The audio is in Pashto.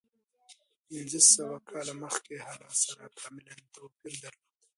د پنځه سوه کاله مخکې حالت سره کاملا توپیر درلود.